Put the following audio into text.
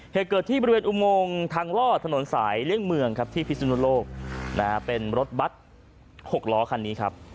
เหตุเกิดที่บริเวณอุโมงทางลอดถนนสายเลี่ยงเมืองครับที่พิศนุโลกเป็นรถบัตร๖ล้อคันนี้ครับ